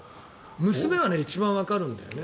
娘は一番わかるんだよね。